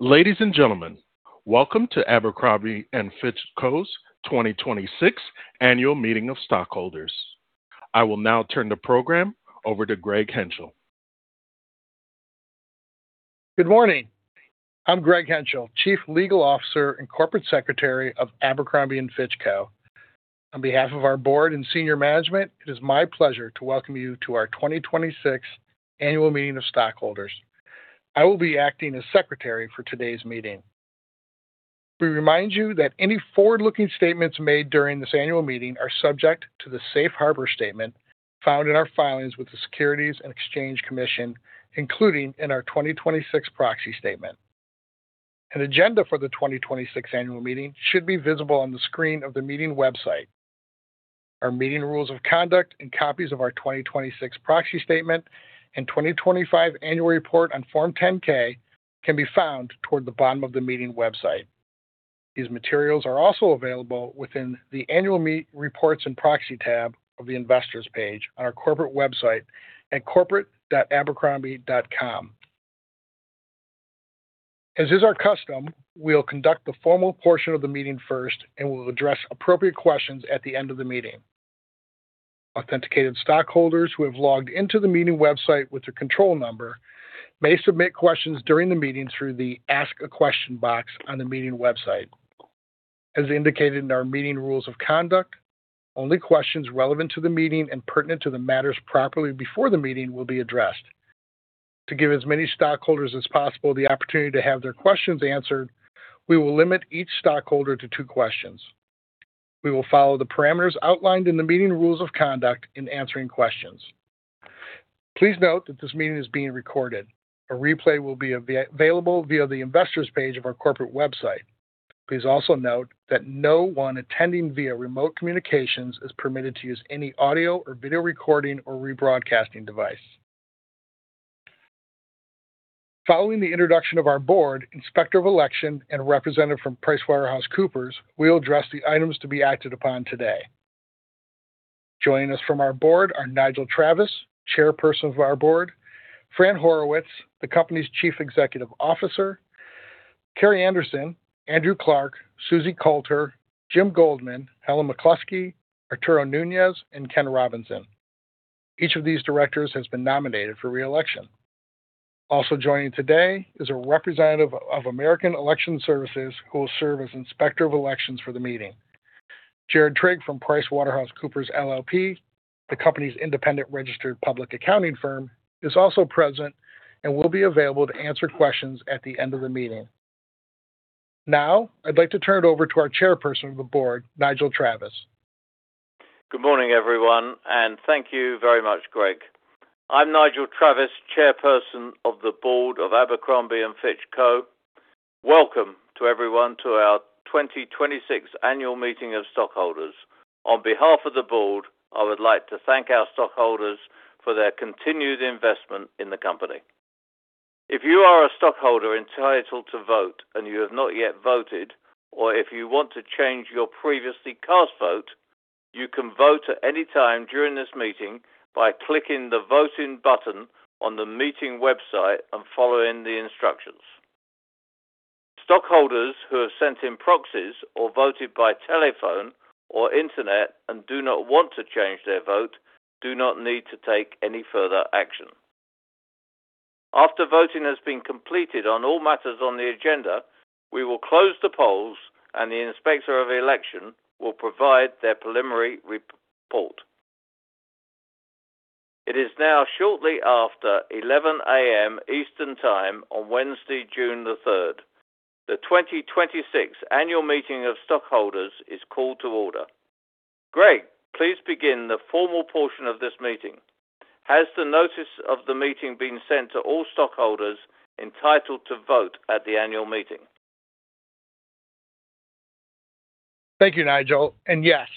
Ladies and gentlemen, welcome to Abercrombie & Fitch Co's 2026 annual meeting of stockholders. I will now turn the program over to Greg Henchel. Good morning. I'm Greg Henchel, Chief Legal Officer and Corporate Secretary of Abercrombie & Fitch Co. On behalf of our board and senior management, it is my pleasure to welcome you to our 2026 annual meeting of stockholders. I will be acting as Secretary for today's meeting. We remind you that any forward-looking statements made during this annual meeting are subject to the safe harbor statement found in our filings with the Securities and Exchange Commission, including in our 2026 proxy statement. An agenda for the 2026 annual meeting should be visible on the screen of the meeting website. Our meeting rules of conduct and copies of our 2026 proxy statement and 2025 annual report on Form 10-K can be found toward the bottom of the meeting website. These materials are also available within the annual reports and proxy tab of the investors page on our corporate website at corporate.abercrombie.com. As is our custom, we'll conduct the formal portion of the meeting first and will address appropriate questions at the end of the meeting. Authenticated stockholders who have logged into the meeting website with their control number may submit questions during the meeting through the Ask a Question box on the meeting website. As indicated in our meeting rules of conduct, only questions relevant to the meeting and pertinent to the matters properly before the meeting will be addressed. To give as many stockholders as possible the opportunity to have their questions answered, we will limit each stockholder to two questions. We will follow the parameters outlined in the meeting rules of conduct in answering questions. Please note that this meeting is being recorded. A replay will be available via the investors page of our corporate website. Please also note that no one attending via remote communications is permitted to use any audio or video recording or rebroadcasting device. Following the introduction of our Board, Inspector of Election, and representative from PricewaterhouseCoopers, we'll address the items to be acted upon today. Joining us from our Board are Nigel Travis, Chairperson of our Board, Fran Horowitz, the company's Chief Executive Officer, Kerrii Anderson, Andrew Clarke, Susie Coulter, Jim Goldman, Helen McCluskey, Arturo Nuñez, and Ken Robinson. Each of these directors has been nominated for re-election. Also joining today is a representative of American Election Services, who will serve as Inspector of Elections for the meeting. Jared Trigg from PricewaterhouseCoopers LLP, the company's independent registered public accounting firm, is also present and will be available to answer questions at the end of the meeting. I'd like to turn it over to our Chairperson of the Board, Nigel Travis. Good morning, everyone, and thank you very much, Greg. I'm Nigel Travis, Chairperson of the Board of Abercrombie & Fitch Co. Welcome to everyone to our 2026 annual meeting of stockholders. On behalf of the board, I would like to thank our stockholders for their continued investment in the company. If you are a stockholder entitled to vote and you have not yet voted, or if you want to change your previously cast vote, you can vote at any time during this meeting by clicking the voting button on the meeting website and following the instructions. Stockholders who have sent in proxies or voted by telephone or internet and do not want to change their vote do not need to take any further action. After voting has been completed on all matters on the agenda, we will close the polls and the Inspector of Election will provide their preliminary report. It is now shortly after 11:00 A.M. Eastern Time on Wednesday, June the 3rd. The 2026 annual meeting of stockholders is called to order. Greg, please begin the formal portion of this meeting. Has the notice of the meeting been sent to all stockholders entitled to vote at the annual meeting? Thank you, Nigel. Yes.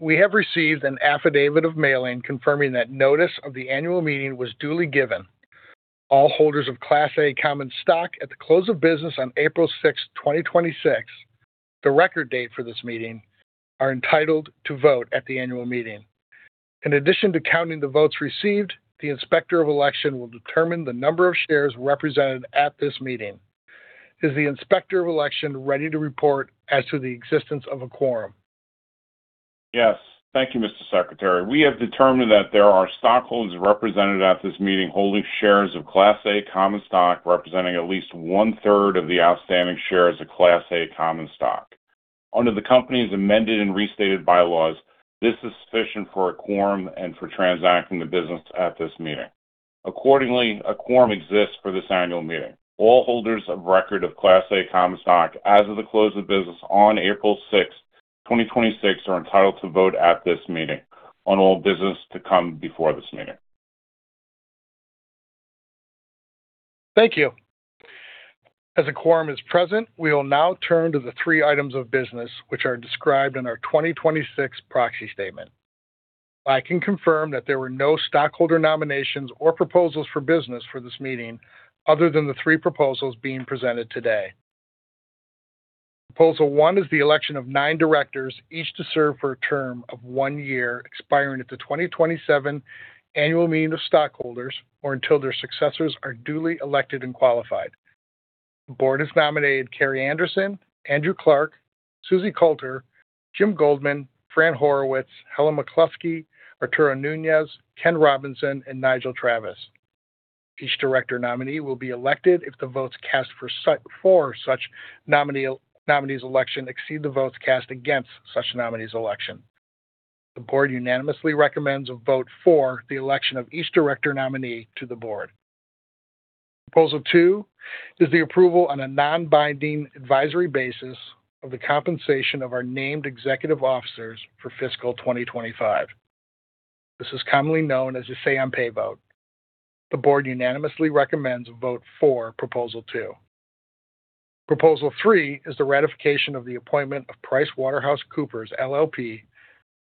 We have received an affidavit of mailing confirming that notice of the annual meeting was duly given. All holders of Class A common stock at the close of business on April 6th, 2026, the record date for this meeting, are entitled to vote at the annual meeting. In addition to counting the votes received, the Inspector of Election will determine the number of shares represented at this meeting. Is the Inspector of Election ready to report as to the existence of a quorum? Yes. Thank you, Mr. Secretary. We have determined that there are stockholders represented at this meeting holding shares of Class A common stock representing at least 1/3 of the outstanding shares of Class A common stock. Under the company's amended and restated bylaws, this is sufficient for a quorum and for transacting the business at this meeting. Accordingly, a quorum exists for this annual meeting. All holders of record of Class A common stock as of the close of business on April 6, 2026, are entitled to vote at this meeting on all business to come before this meeting. Thank you. As a quorum is present, we will now turn to the three items of business, which are described in our 2026 proxy statement. I can confirm that there were no stockholder nominations or proposals for business for this meeting other than the three proposals being presented today. Proposal 1 is the election of nine directors, each to serve for a term of one year, expiring at the 2027 annual meeting of stockholders, or until their successors are duly elected and qualified. The board has nominated Kerrii B. Anderson, Andrew Clarke, Susie Coulter, Jim Goldman, Fran Horowitz, Helen McCluskey, Arturo Nuñez, Ken Robinson, and Nigel Travis. Each director nominee will be elected if the votes cast for such nominee's election exceed the votes cast against such nominee's election. The board unanimously recommends a vote for the election of each director nominee to the board. Proposal two is the approval on a non-binding advisory basis of the compensation of our named executive officers for fiscal 2025. This is commonly known as a say on pay vote. The board unanimously recommends a vote for Proposal 2. Proposal three is the ratification of the appointment of PricewaterhouseCoopers LLP,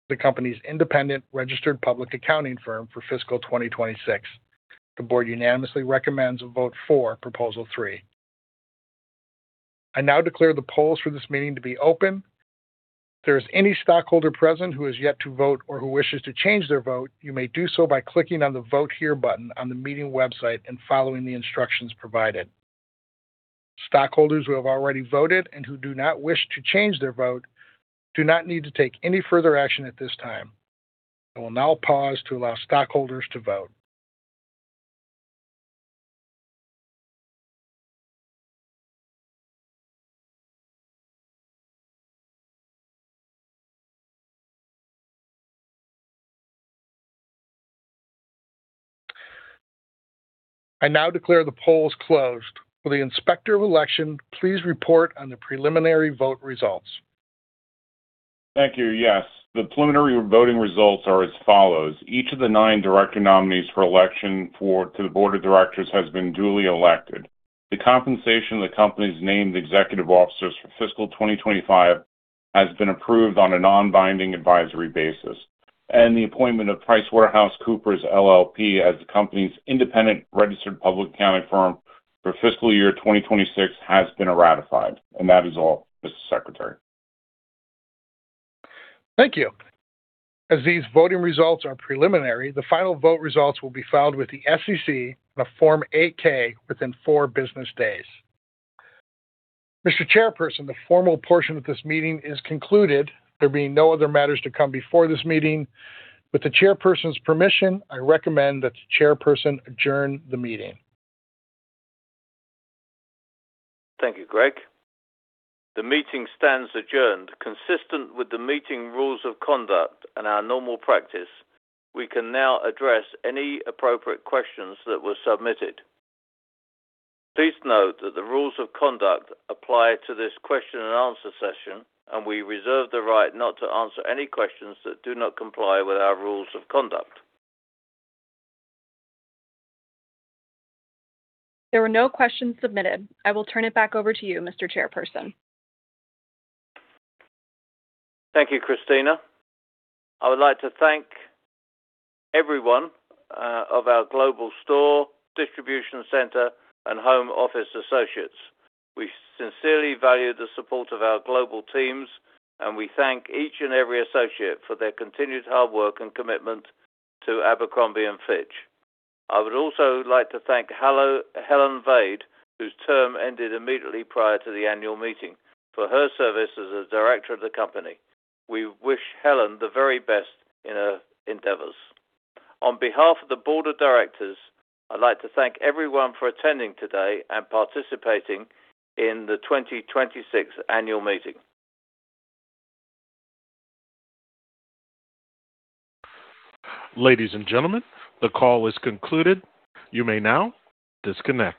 the company's independent registered public accounting firm for fiscal 2026. The board unanimously recommends a vote for proposal three. I now declare the polls for this meeting to be open. If there is any stockholder present who has yet to vote or who wishes to change their vote, you may do so by clicking on the Vote Here button on the meeting website and following the instructions provided. Stockholders who have already voted and who do not wish to change their vote do not need to take any further action at this time. I will now pause to allow stockholders to vote. I now declare the polls closed. Will the Inspector of Election please report on the preliminary vote results? Thank you. Yes. The preliminary voting results are as follows. Each of the nine director nominees for election to the board of directors has been duly elected. The compensation of the company's named executive officers for fiscal 2025 has been approved on a non-binding advisory basis. The appointment of PricewaterhouseCoopers, LLP as the company's independent registered public accounting firm for fiscal year 2026 has been ratified. That is all, Mr. Secretary. Thank you. As these voting results are preliminary, the final vote results will be filed with the SEC on a Form 8-K within four business days. Mr. Chairperson, the formal portion of this meeting is concluded. There being no other matters to come before this meeting, with the chairperson's permission, I recommend that the chairperson adjourn the meeting. Thank you, Greg. The meeting stands adjourned. Consistent with the meeting rules of conduct and our normal practice, we can now address any appropriate questions that were submitted. Please note that the rules of conduct apply to this question-and-answer session, and we reserve the right not to answer any questions that do not comply with our rules of conduct. There were no questions submitted. I will turn it back over to you, Mr. Chairperson. Thank you, Christina. I would like to thank every one of our global store, distribution center, and home office associates. We sincerely value the support of our global teams, and we thank each and every associate for their continued hard work and commitment to Abercrombie & Fitch. I would also like to thank Helen Vaid, whose term ended immediately prior to the annual meeting, for her service as a director of the company. We wish Helen the very best in her endeavors. On behalf of the board of directors, I'd like to thank everyone for attending today and participating in the 2026 annual meeting. Ladies and gentlemen, the call is concluded. You may now disconnect.